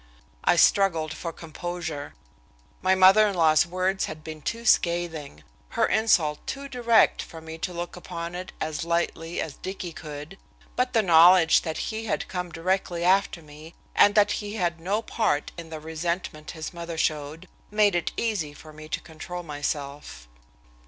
I struggled for composure. My mother in law's words had been too scathing, her insult too direct for me to look upon it as lightly as Dicky could, but the knowledge that he had come directly after me, and that he had no part in the resentment his mother showed, made it easy for me to control myself.